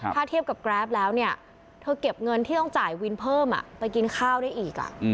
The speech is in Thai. ถ้าเทียบกับแกรปแล้วเนี่ยเธอเก็บเงินที่ต้องจ่ายวินเพิ่มไปกินข้าวได้อีก